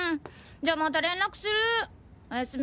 じゃあまた連絡するおやすみ。